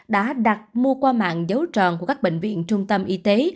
đã đặt mua qua mạng dấu tròn của các bệnh viện trung tâm y tế